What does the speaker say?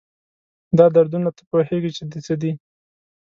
دا دردونه، تۀ پوهېږي چې د څه دي؟